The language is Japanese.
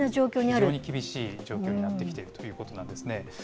非常に厳しい状況になってきているということなんですね。